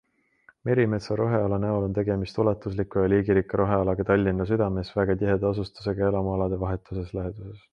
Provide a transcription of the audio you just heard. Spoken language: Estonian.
Merimetsa roheala näol on tegemist ulatusliku ja liigirikka rohealaga Tallinna südames, väga tiheda asustusega elamualade vahetus läheduses.